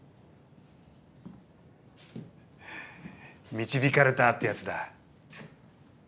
導かれたってやつだ。